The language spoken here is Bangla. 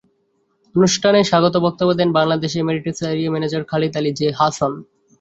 অনুষ্ঠানে স্বাগত বক্তব্য দেন বাংলাদেশে এমিরেটসের area manager Khalid Ali J Hasan.